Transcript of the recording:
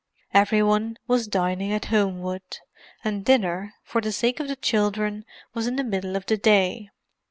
Every one was dining at Homewood, and dinner, for the sake of the children, was in the middle of the day.